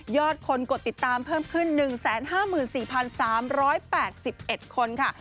อดคนกดติดตามเพิ่มขึ้น๑๕๔๓๘๑คนค่ะ